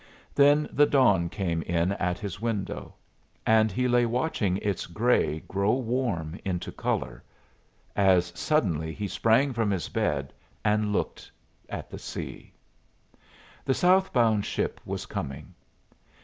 Then the dawn came in at his window, and he lay watching its gray grow warm into color, us suddenly he sprang from his bed and looked the sea. The southbound ship was coming.